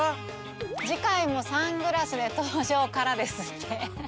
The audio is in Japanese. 「次回もサングラスで登場から」ですって。